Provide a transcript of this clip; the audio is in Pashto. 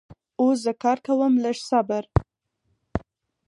اوس زه کار کوم لږ صبر